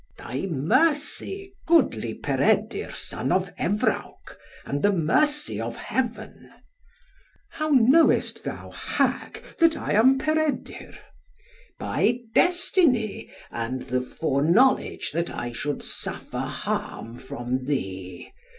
"Thy mercy, goodly Peredur, son of Evrawc, and the mercy of Heaven." "How knowest thou, hag, that I am Peredur?" "By destiny, and the foreknowledge that I should suffer harm from thee.